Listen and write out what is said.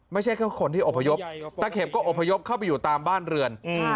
ไม่ใช่แค่คนที่อพยพตะเข็มก็อบพยพเข้าไปอยู่ตามบ้านเรือน